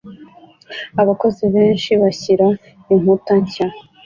Abakozi benshi bashyira inkuta nshya